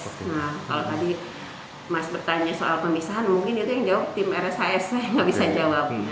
nah kalau tadi mas bertanya soal pemisahan mungkin itu yang jawab tim rshs saya nggak bisa jawab